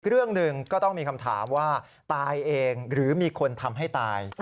เรื่องหนึ่งก็ต้องมีคำถามว่าตายเองหรือมีคนทำให้ตาย